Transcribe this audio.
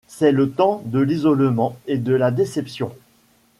C'est le temps de l'isolement et de la déception.